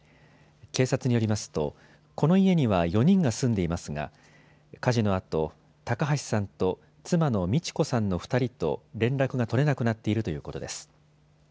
警察によりますとこの家には４人が住んでいますが火事のあと高橋さんと妻の美知子さんの２人と連絡が取れなくなっているということです。